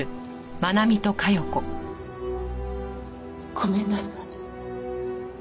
ごめんなさい。